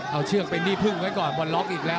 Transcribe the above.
เอาเชือกเป็นที่พึ่งไว้ก่อนบอลล็อกอีกแล้ว